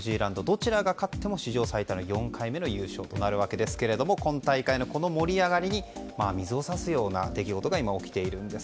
どちらが勝っても史上最多４回目の優勝となるわけですが今大会の盛り上がりに水を差すような出来事が今、起きているんです。